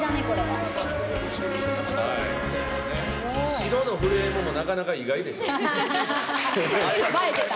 白のフレームもなかなか意外前出た。